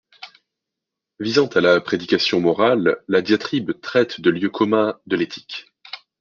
Visant à la prédication morale, la diatribe traite de lieux communs de l'éthique.